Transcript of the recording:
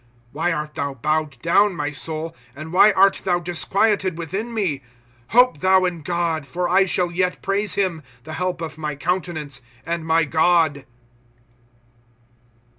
^ Why art thou bowed down, my soul. And why art thou disquieted within me ? Hope thou in God ; for I shall yet praise him. The help of my countenance and my God.